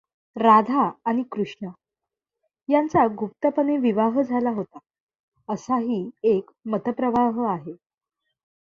राधा आणि कृष्ण यांचा गुप्तपणे विवाह झाला होता, असाही एक मतप्रवाह आहे.